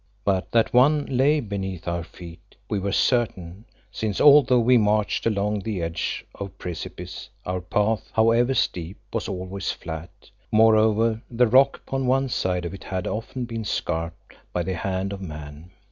But that one lay beneath our feet we were certain, since, although we marched along the edge of precipices, our path, however steep, was always flat; moreover, the rock upon one side of it had often been scarped by the hand of man.